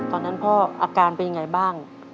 ตอนนั้นพ่ออาการเป็นยังไงบ้าง